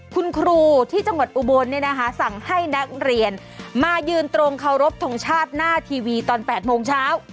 คุณครูที่จังหวัดอุบลสั่งให้นักเรียนมายืนตรงเคารพทงชาติหน้าทีวีตอน๘โมงเช้า